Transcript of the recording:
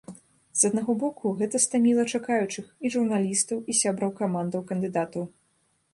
З аднаго боку, гэта стаміла чакаючых, і журналістаў, і сябраў камандаў кандыдатаў.